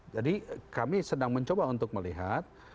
jadi kami sedang mencoba untuk melihat